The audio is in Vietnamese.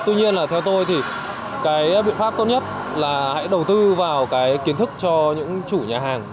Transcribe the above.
tuy nhiên là theo tôi thì cái biện pháp tốt nhất là hãy đầu tư vào cái kiến thức cho những chủ nhà hàng